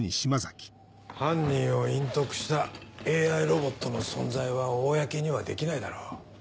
犯人を隠匿したＡＩロボットの存在は公にはできないだろう。